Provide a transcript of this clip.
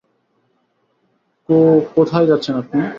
কো-কোথায় যাচ্ছেন আপনি?